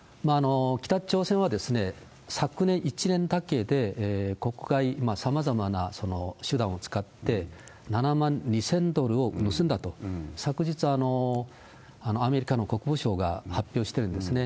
北朝鮮は、昨年一年だけでさまざまな手段を使って、７万２０００ドルを盗んだと、昨日、アメリカの国防省が発表してるんですね。